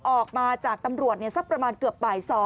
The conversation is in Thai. ออกมาจากตำรวจสักประมาณเกือบบ่าย๒